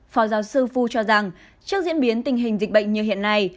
phó giáo sư phu cho rằng trước diễn biến tình hình dịch bệnh như hiện nay